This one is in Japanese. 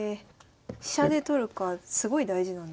飛車で取るかすごい大事なんですね。